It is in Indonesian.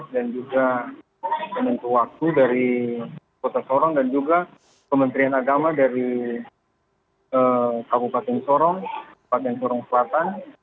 juga penentu waktu dari kota sorong dan juga kementerian agama dari kabupaten sorong kabupaten sorong selatan